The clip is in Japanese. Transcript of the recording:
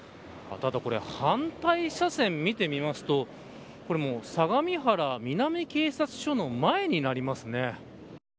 ただこれ反対車線を見てみますと相模原南警察署の前になりますね。